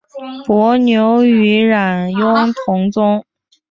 伯牛与冉雍同宗。